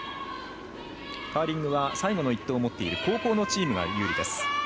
カーリングは最後の１投を持っている後攻のチームが有利です。